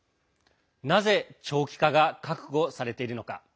なぜ長期化が覚悟されているのか。